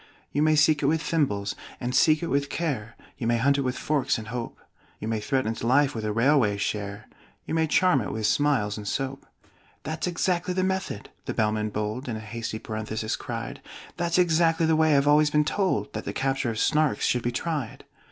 "'You may seek it with thimbles and seek it with care; You may hunt it with forks and hope; You may threaten its life with a railway share; You may charm it with smiles and soap '" ("That's exactly the method," the Bellman bold In a hasty parenthesis cried: "That's exactly the way I have always been told That the capture of Snarks should be tried!")